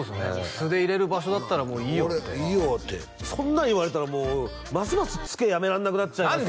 素でいれる場所だったらいいよって俺いいよってそんなん言われたらもうますますツケやめらんなくなっちゃいますよ